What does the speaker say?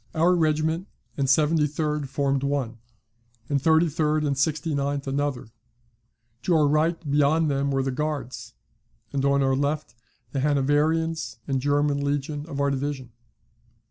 Our regiment and 73d formed one, and 33d and 69th another; to our right beyond them were the Guards, and on our left the Hanoverians and German legion of our division.